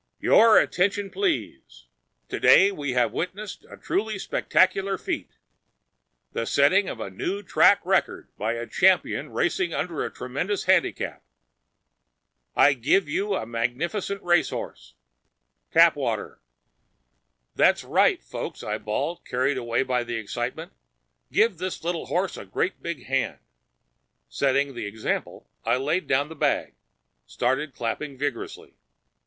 "Your attention, please! Today we have witnessed a truly spectacular feat: the setting of a new track record by a champion racing under a tremendous handicap. I give you a magnificent racehorse—Tapwater!" "That's right, folks!" I bawled, carried away by the excitement. "Give this little horse a great big hand!" Setting the example, I laid down the bag, started clapping vigorously.